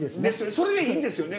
それでいいんですよね？